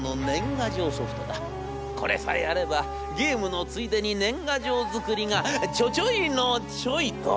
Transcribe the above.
これさえあればゲームのついでに年賀状作りがちょちょいのちょいと！